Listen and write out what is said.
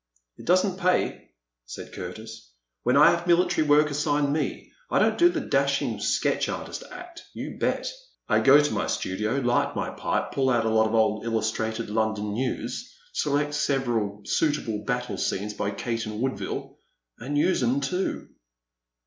It does n't pay," said Curtis. When I have military work assigned me, I don't do the dashing sketch artist act, you bet ; I go to my studio, light my pipe, pull out a lot of old Illus trated London News, select several suitable battle scenes by Caton Woodville — and use 'em too."